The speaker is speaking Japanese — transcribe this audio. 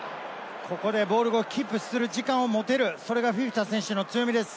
ここでボールをキープする時間を持てる、それがフィフィタ選手の強みです。